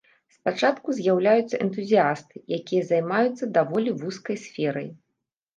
Спачатку з'яўляюцца энтузіясты, якія займаюцца даволі вузкай сферай.